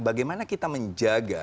bagaimana kita menjaga